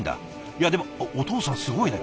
いやでもお父さんすごいね。